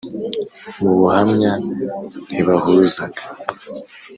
mu buhamya ntibahuzaga